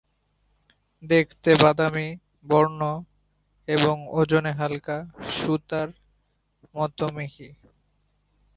দেখতে বাদামী বর্ণ এবং ওজনে হালকা, সুতার মতো মিহি।